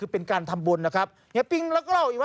เป็นการทำบุญ